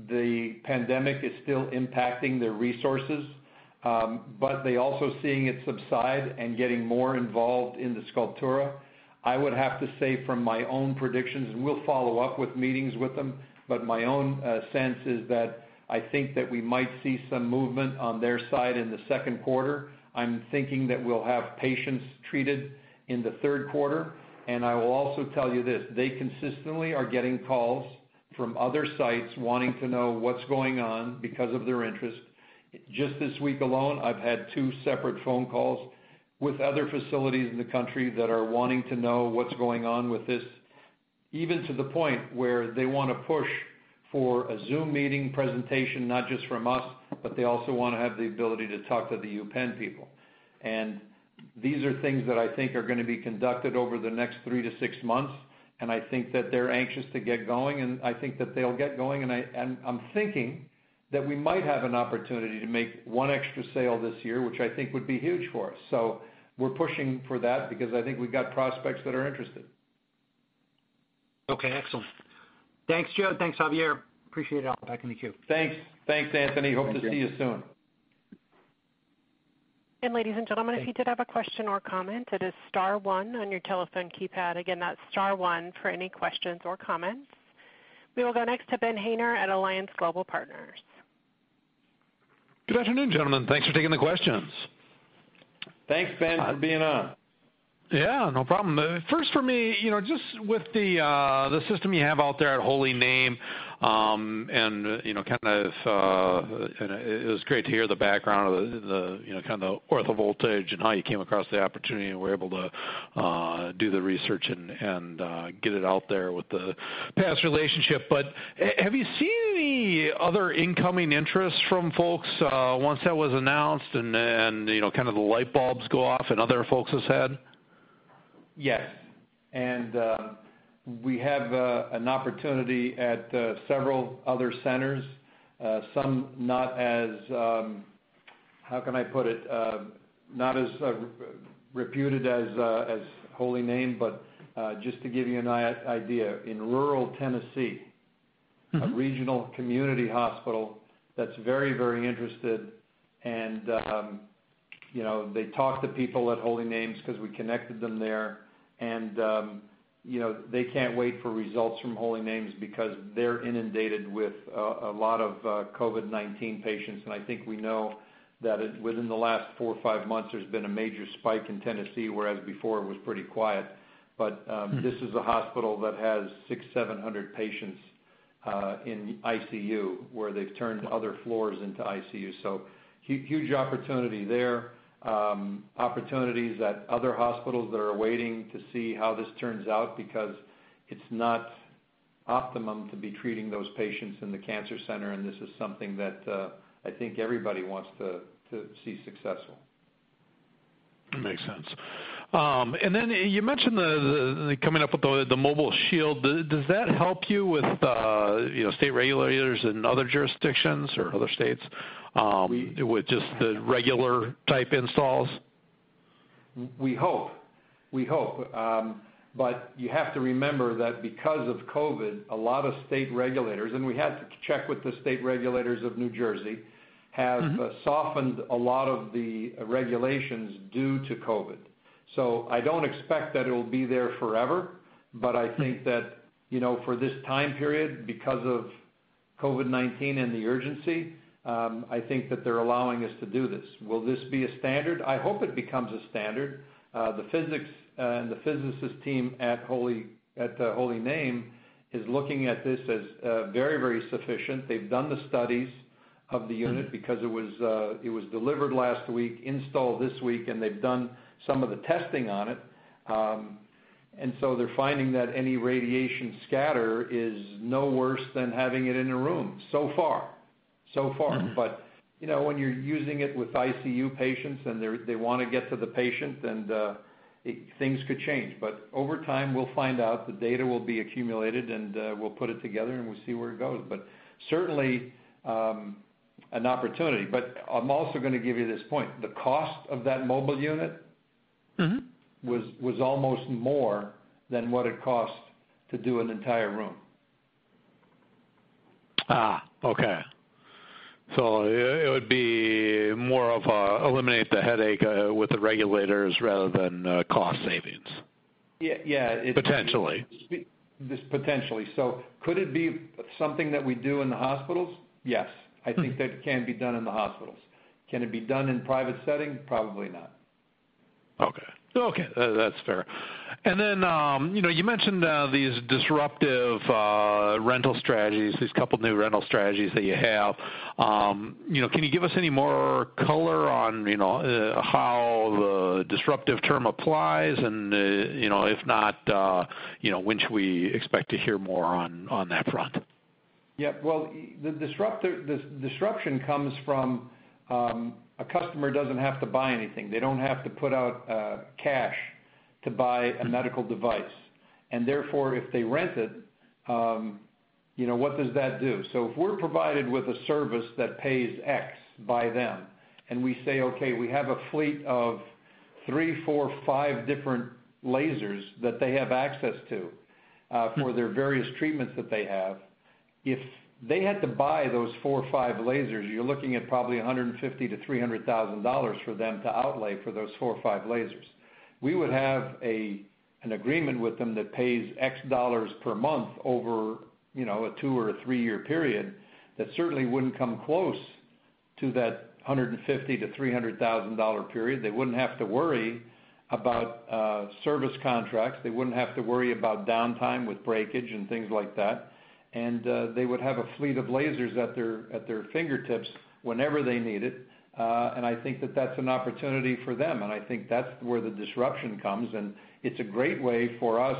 The pandemic is still impacting their resources, but they're also seeing it subside and getting more involved in the Sculptura. I would have to say from my own predictions, and we'll follow up with meetings with them, but my own sense is that I think that we might see some movement on their side in the second quarter. I'm thinking that we'll have patients treated in the third quarter, and I will also tell you this, they consistently are getting calls from other sites wanting to know what's going on because of their interest. Just this week alone, I've had two separate phone calls with other facilities in the country that are wanting to know what's going on with this, even to the point where they want to push for a Zoom meeting presentation, not just from us, but they also want to have the ability to talk to the UPenn people. These are things that I think are going to be conducted over the next three to six months, and I think that they're anxious to get going, and I think that they'll get going. I'm thinking that we might have an opportunity to make one extra sale this year, which I think would be huge for us. We're pushing for that because I think we've got prospects that are interested. Okay, excellent. Thanks, Joe. Thanks, Javier. Appreciate it. I'll get back in the queue. Thanks, Anthony. Thank you. Hope to see you soon. Ladies and gentlemen. If you did have a question or comment, it is star one on your telephone keypad. Again, that's star one for any questions or comments. We will go next to Ben Haynor at Alliance Global Partners. Good afternoon, gentlemen. Thanks for taking the questions. Thanks, Ben, for being on. Yeah, no problem. First for me, just with the system you have out there at Holy Name, and it was great to hear the background of the orthovoltage and how you came across the opportunity and were able to do the research and get it out there with the past relationship. Have you seen any other incoming interests from folks once that was announced, and then kind of the light bulbs go off in other folks' head? Yes. We have an opportunity at several other centers, some not as, how can I put it? Not as reputed as Holy Name, but just to give you an idea, in rural Tennessee- ...a regional community hospital that's very, very interested. They talk to people at Holy Names because we connected them there. They can't wait for results from Holy Names because they're inundated with a lot of COVID-19 patients, and I think we know that within the last four or five months, there's been a major spike in Tennessee, whereas before it was pretty quiet. This is a hospital that has 600, 700 patients in ICU, where they've turned other floors into ICU. Huge opportunity there. Opportunities at other hospitals that are waiting to see how this turns out, because it's not optimum to be treating those patients in the cancer center, and this is something that I think everybody wants to see successful. Makes sense. Then you mentioned coming up with the mobile shield. Does that help you with state regulators in other jurisdictions or other states, with just the regular type installs? We hope. You have to remember that because of COVID, a lot of state regulators, and we had to check with the state regulators of New Jersey, have softened a lot of the regulations due to COVID. I don't expect that it'll be there forever, but I think that for this time period, because of COVID-19 and the urgency, I think that they're allowing us to do this. Will this be a standard? I hope it becomes a standard. The physicists team at the Holy Name is looking at this as very sufficient. They've done the studies of the unit because it was delivered last week, installed this week, and they've done some of the testing on it. They're finding that any radiation scatter is no worse than having it in a room so far. When you're using it with ICU patients and they want to get to the patient, then things could change. Over time, we'll find out, the data will be accumulated, and we'll put it together and we'll see where it goes. Certainly, an opportunity. I'm also going to give you this point, the cost of that mobile unit. Was almost more than what it cost to do an entire room. Okay. It would be more of eliminate the headache with the regulators rather than cost savings. Yeah. Potentially. Potentially. Could it be something that we do in the hospitals? Yes, I think that it can be done in the hospitals. Can it be done in private setting? Probably not. Okay. That's fair. Then you mentioned these disruptive rental strategies, these couple new rental strategies that you have. Can you give us any more color on how the disruptive term applies and, if not, when should we expect to hear more on that front? Yeah. Well, the disruption comes from, a customer doesn't have to buy anything. They don't have to put out cash to buy a medical device. Therefore, if they rent it, what does that do? If we're provided with a service that pays X by them, and we say, okay, we have a fleet of three, four, five different lasers that they have access to for their various treatments that they have. If they had to buy those four or five lasers, you're looking at probably $150,000-$300,000 for them to outlay for those four or five lasers. We would have an agreement with them that pays X dollars per month over a two or a three-year period that certainly wouldn't come close to that $150,000-$300,000 period. They wouldn't have to worry about service contracts. They wouldn't have to worry about downtime with breakage and things like that. They would have a fleet of lasers at their fingertips whenever they need it. I think that that's an opportunity for them, and I think that's where the disruption comes. It's a great way for us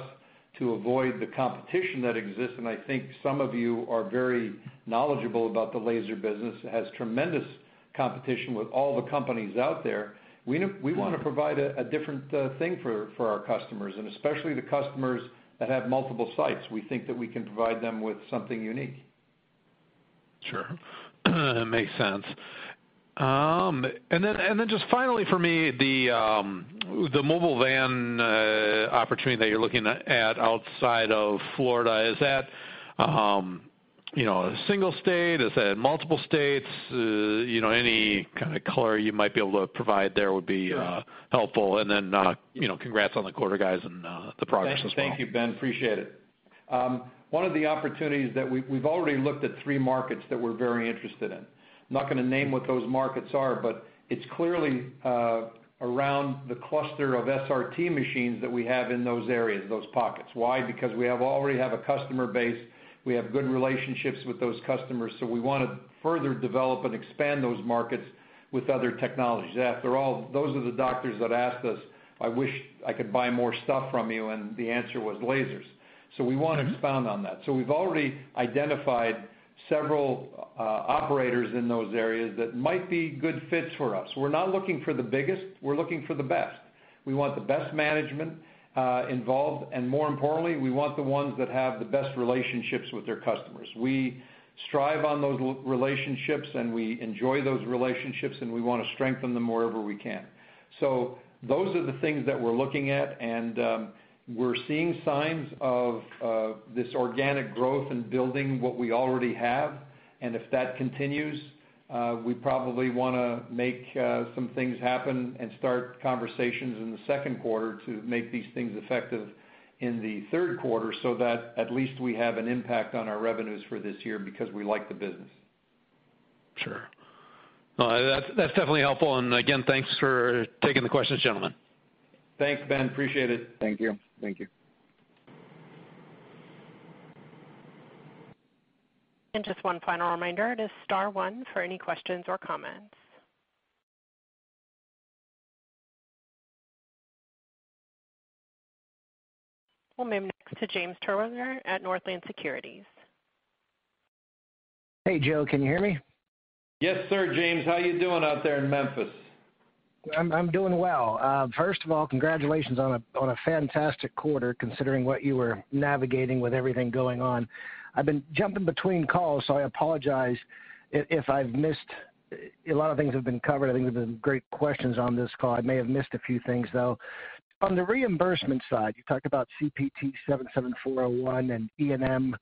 to avoid the competition that exists, and I think some of you are very knowledgeable about the laser business. It has tremendous competition with all the companies out there. We want to provide a different thing for our customers, and especially the customers that have multiple sites. We think that we can provide them with something unique. Sure. Makes sense. Just finally for me, the mobile van opportunity that you're looking at outside of Florida, is that a single state? Is that multiple states? Any kind of color you might be able to provide there would be helpful. Sure. Congrats on the quarter guys and the progress as well. Thank you, Ben. Appreciate it. One of the opportunities that we've already looked at three markets that we're very interested in. I'm not going to name what those markets are. It's clearly around the cluster of SRT machines that we have in those areas, those pockets. Why? We already have a customer base, we have good relationships with those customers. We want to further develop and expand those markets with other technologies. After all, those are the doctors that asked us, "I wish I could buy more stuff from you." The answer was lasers. We want to expand on that. We've already identified several operators in those areas that might be good fits for us. We're not looking for the biggest, we're looking for the best. We want the best management involved. More importantly, we want the ones that have the best relationships with their customers. We strive on those relationships. We enjoy those relationships. We want to strengthen them wherever we can. Those are the things that we're looking at. We're seeing signs of this organic growth and building what we already have. If that continues, we probably want to make some things happen and start conversations in the second quarter to make these things effective in the third quarter, that at least we have an impact on our revenues for this year because we like the business. Sure. No, that's definitely helpful, and again, thanks for taking the questions, gentlemen. Thanks, Ben. Appreciate it. Thank you. Thank you. Just one final reminder, it is star one for any questions or comments. We'll move next to James Terwilliger at Northland Securities. Hey, Joe, can you hear me? Yes, sir, James. How are you doing out there in Memphis? I'm doing well. First of all, congratulations on a fantastic quarter, considering what you were navigating with everything going on. I've been jumping between calls, so I apologize if I've missed a lot of things have been covered. I think these have been great questions on this call. I may have missed a few things, though. On the reimbursement side, you talked about CPT 77401 and E&M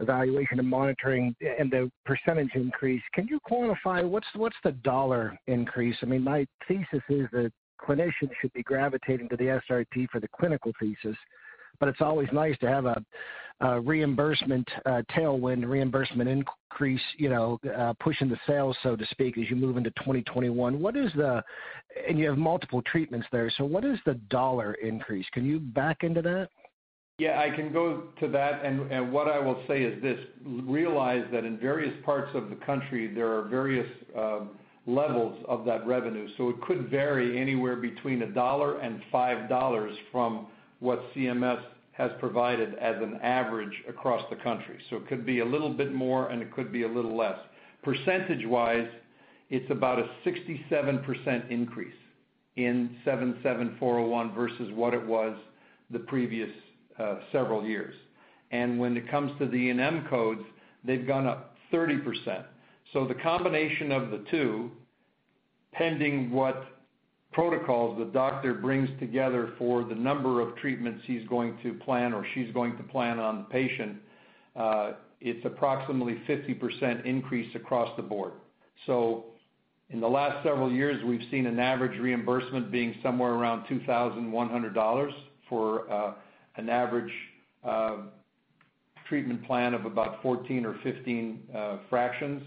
evaluation and monitoring and the percentage increase. Can you quantify what's the dollar increase? My thesis is that clinicians should be gravitating to the SRT for the clinical pieces, but it's always nice to have a reimbursement tailwind, reimbursement increase pushing the sales, so to speak, as you move into 2021. You have multiple treatments there, so what is the dollar increase? Can you back into that? Yeah, I can go to that, and what I will say is this. Realize that in various parts of the country, there are various levels of that revenue. It could vary anywhere between $1 and $5 from what CMS has provided as an average across the country. It could be a little bit more, and it could be a little less. Percentage-wise, it's about a 67% increase in 77401 versus what it was the previous several years. When it comes to the E&M codes, they've gone up 30%. The combination of the two, pending what protocols the doctor brings together for the number of treatments he's going to plan or she's going to plan on the patient, it's approximately 50% increase across the board. In the last several years, we've seen an average reimbursement being somewhere around $2,100 for an average treatment plan of about 14 or 15 fractions.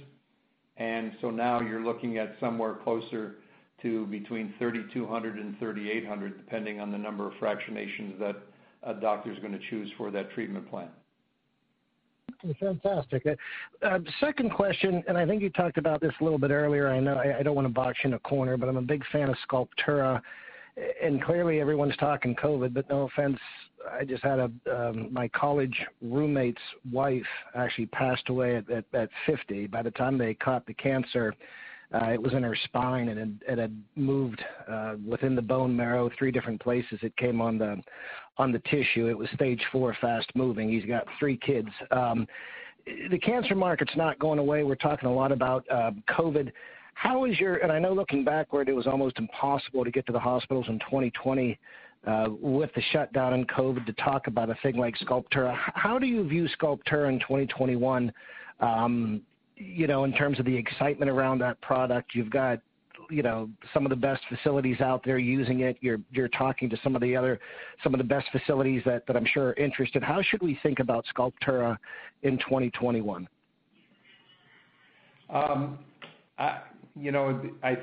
Now you're looking at somewhere closer to between $3,200 and $3,800, depending on the number of fractionations that a doctor's going to choose for that treatment plan. Fantastic. Second question. I think you talked about this a little bit earlier. I know I don't want to box you in a corner. I'm a big fan of Sculptura. Clearly everyone's talking COVID. No offense, I just had my college roommate's wife actually passed away at 50. By the time they caught the cancer, it was in her spine. It had moved within the bone marrow three different places. It came on the tissue. It was Stage 4, fast-moving. He's got three kids. The cancer market's not going away. We're talking a lot about COVID. I know looking backward, it was almost impossible to get to the hospitals in 2020 with the shutdown and COVID to talk about a thing like Sculptura. How do you view Sculptura in 2021, in terms of the excitement around that product? You've got some of the best facilities out there using it. You're talking to some of the best facilities that I'm sure are interested. How should we think about Sculptura in 2021? I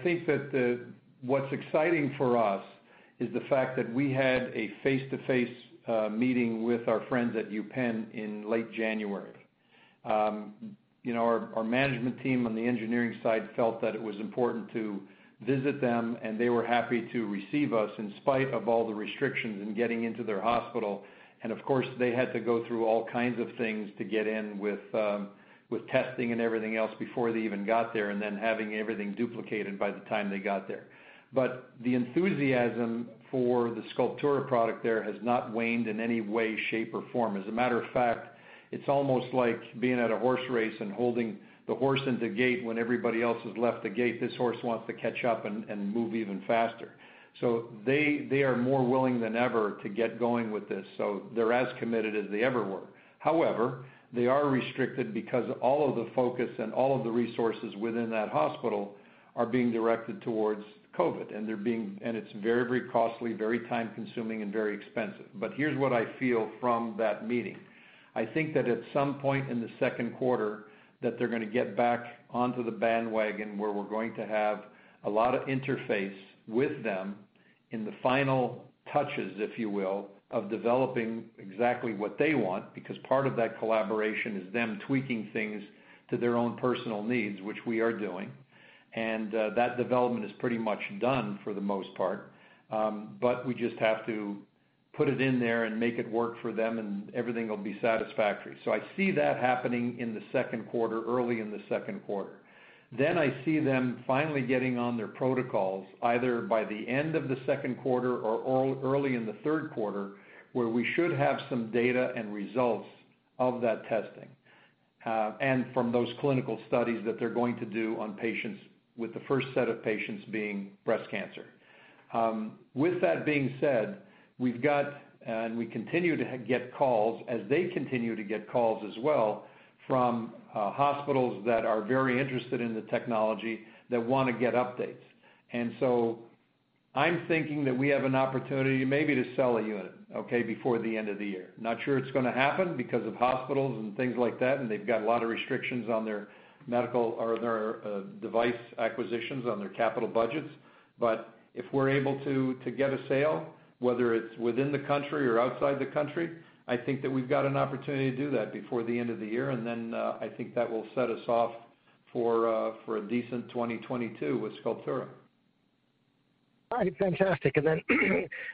think that what's exciting for us is the fact that we had a face-to-face meeting with our friends at UPenn in late January. Our management team on the engineering side felt that it was important to visit them, and they were happy to receive us in spite of all the restrictions in getting into their hospital, and of course, they had to go through all kinds of things to get in with testing and everything else before they even got there, and then having everything duplicated by the time they got there. The enthusiasm for the Sculptura product there has not waned in any way, shape, or form. As a matter of fact, it's almost like being at a horse race and holding the horse in the gate when everybody else has left the gate. This horse wants to catch up and move even faster. They are more willing than ever to get going with this. They're as committed as they ever were. However, they are restricted because all of the focus and all of the resources within that hospital are being directed towards COVID, and it's very costly, very time-consuming, and very expensive. Here's what I feel from that meeting. I think that at some point in the second quarter, that they're going to get back onto the bandwagon where we're going to have a lot of interface with them in the final touches, if you will, of developing exactly what they want, because part of that collaboration is them tweaking things to their own personal needs, which we are doing. That development is pretty much done for the most part. We just have to put it in there and make it work for them, and everything will be satisfactory. I see that happening in the second quarter, early in the second quarter. I see them finally getting on their protocols, either by the end of the second quarter or early in the third quarter, where we should have some data and results of that testing, and from those clinical studies that they're going to do on patients with the first set of patients being breast cancer. With that being said, we've got, and we continue to get calls as they continue to get calls as well from hospitals that are very interested in the technology that want to get updates. I'm thinking that we have an opportunity maybe to sell a unit before the end of the year. Not sure it's going to happen because of hospitals and things like that, and they've got a lot of restrictions on their medical or their device acquisitions on their capital budgets. If we're able to get a sale, whether it's within the country or outside the country, I think that we've got an opportunity to do that before the end of the year. I think that will set us off for a decent 2022 with Sculptura. All right. Fantastic.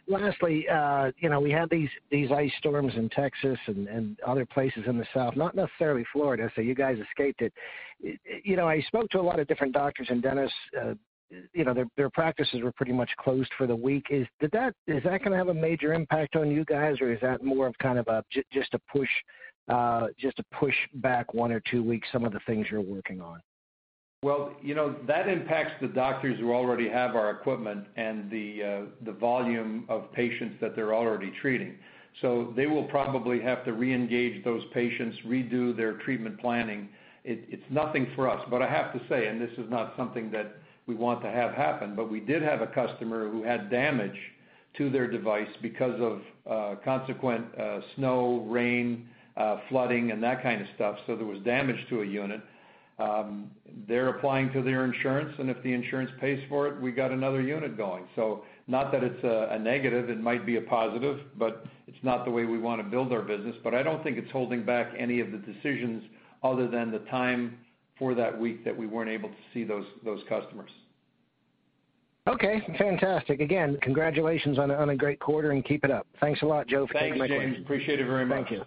Lastly, we had these ice storms in Texas and other places in the South, not necessarily Florida, so you guys escaped it. I spoke to a lot of different doctors and dentists. Their practices were pretty much closed for the week. Is that going to have a major impact on you guys? Is that more of kind of just a pushback one or two weeks, some of the things you're working on? That impacts the doctors who already have our equipment and the volume of patients that they're already treating. They will probably have to reengage those patients, redo their treatment planning. It's nothing for us. I have to say, and this is not something that we want to have happen, but we did have a customer who had damage to their device because of consequent snow, rain, flooding, and that kind of stuff. There was damage to a unit. They're applying to their insurance, and if the insurance pays for it, we got another unit going. Not that it's a negative, it might be a positive, but it's not the way we want to build our business. I don't think it's holding back any of the decisions other than the time for that week that we weren't able to see those customers. Okay, fantastic. Again, congratulations on a great quarter, and keep it up. Thanks a lot, Joe, for taking my questions. Thanks, James. Appreciate it very much. Thank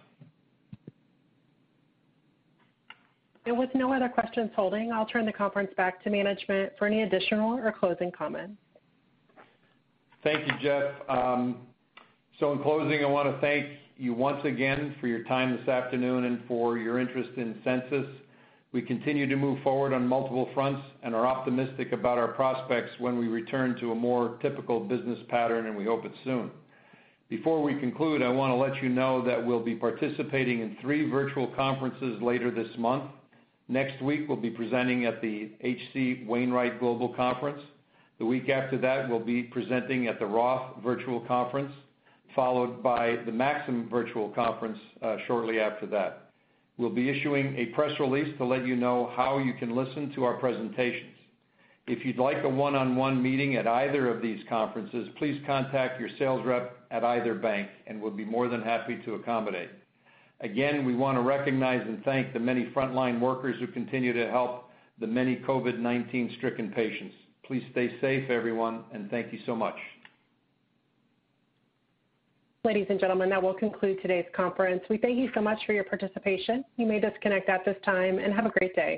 you. With no other questions holding, I'll turn the conference back to management for any additional or closing comments. Thank you, Jess. In closing, I want to thank you once again for your time this afternoon and for your interest in Sensus. We continue to move forward on multiple fronts and are optimistic about our prospects when we return to a more typical business pattern, and we hope it's soon. Before we conclude, I want to let you know that we'll be participating in three virtual conferences later this month. Next week, we'll be presenting at the H.C. Wainwright Global Conference. The week after that, we'll be presenting at the Roth Virtual Conference, followed by the Maxim Virtual Conference shortly after that. We'll be issuing a press release to let you know how you can listen to our presentations. If you'd like a one-on-one meeting at either of these conferences, please contact your sales rep at either bank, and we'll be more than happy to accommodate. We want to recognize and thank the many frontline workers who continue to help the many COVID-19 stricken patients. Please stay safe, everyone, thank you so much. Ladies and gentlemen, that will conclude today's conference. We thank you so much for your participation. You may disconnect at this time, and have a great day.